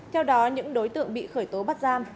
theo đó những đối tượng bị khởi tố bắt giam